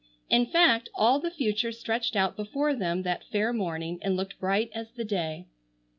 In fact, all the future stretched out before them that fair morning and looked bright as the day.